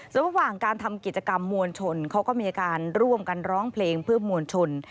ส่วนระหว่างการทำกิจกรรมมวลชนเขาก็มีการร่วมกันร้องเพลงเพื่อมวลชน